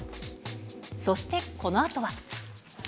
そしてこのあとは。